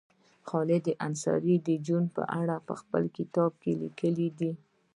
خالد انصاري د جون په اړه په خپل کتاب کې لیکلي دي